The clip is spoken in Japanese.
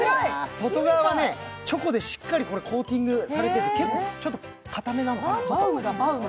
外側はチョコでしっかりコーティングされてて、ちょっとかためなのかな。